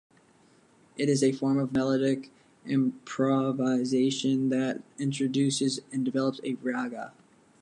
It is a form of melodic improvisation that introduces and develops a raga.